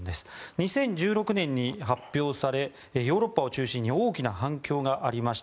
２０１６年に発表されヨーロッパを中心に大きな反響がありました。